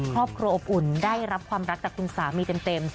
ครอบครัวอบอุ่นได้รับความรักจากคุณสามีเต็ม